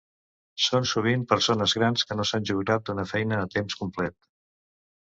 Són sovint persones grans que s'han jubilat d'una feina a temps complet.